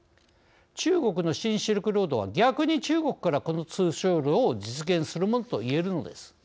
中国の新シルクロードは逆に中国から、この通商路を実現するものと言えるのです。